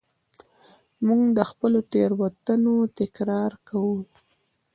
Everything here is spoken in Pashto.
موږ د خپلو تېروتنو تکرار کوو.